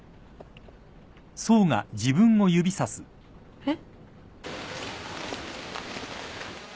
えっ？